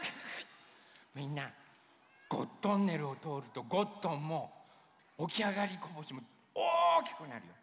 みんなゴットンネルをとおるとゴットンもおきあがりこぼしもおおきくなるよ。